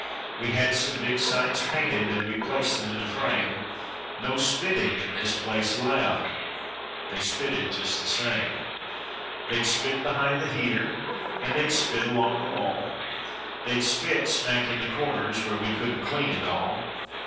We had some big signs painted, and we placed them in a frame— "No spitting in this place allowed"—they spitted just the same. They'd spit behind the heater, and they'd spit along the wall. They'd spit smack in the corners where we couldn't clean at all.